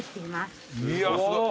いやすごい。